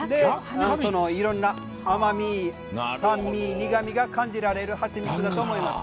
いろんな甘み、酸味、苦みが感じられるハチミツだと思います。